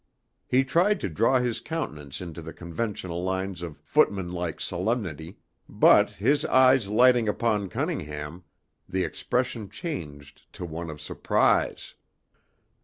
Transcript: He tried to draw his countenance into the conventional lines of footman like solemnity, but, his eyes lighting upon Cunningham, the expression changed to one of surprise.